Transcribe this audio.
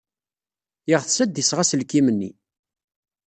Yeɣtes ad d-iseɣ aselkim-nni.